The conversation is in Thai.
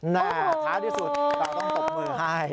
แน่ท้าที่สุดเราต้องปลดมือให้